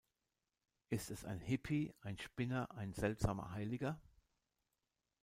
Ist es ein Hippie, ein Spinner, ein seltsamer Heiliger?